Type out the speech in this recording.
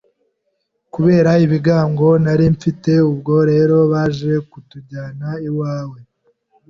kubera ibigango nari mfite, ubwo rero baje kutujyana iwawa